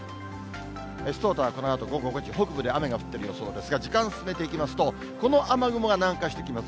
スタートはこのあと午後５時、北部で雨が降っている予想ですが、時間進めていきますと、この雨雲が南下してきます。